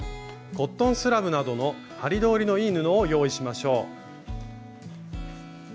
コットンスラブなどの針通りのいい布を用意しましょう。